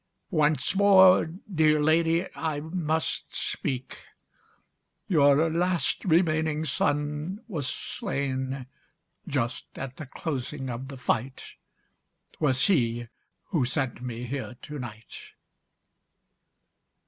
"Once more, dear lady, I must speak: Your last remaining son was slain Just at the closing of the fight; Twas he who sent me here to night."